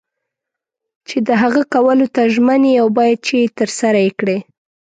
چې د هغه کولو ته ژمن یې او باید چې ترسره یې کړې.